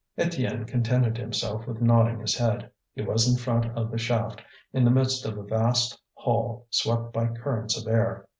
Étienne contented himself with nodding his head. He was in front of the shaft, in the midst of a vast hall swept by currents of air.